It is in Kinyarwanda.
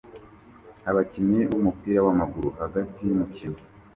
Abakinnyi bumupira wamaguru hagati yumukino